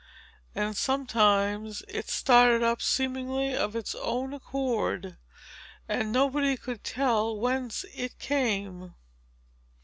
And, sometimes, it started up, seemingly of its own accord; and nobody could tell whence it came.